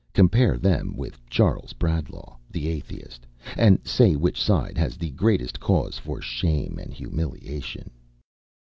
Compare them with Charles Bradlaugh, the Atheist, and say which side has the greatest cause for shame and humiliation.